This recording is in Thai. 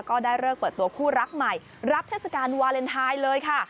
ก็ได้เลิกเปิดตัวคู่รักใหม่รับเทศกาลวาเลนไทยเลยค่ะ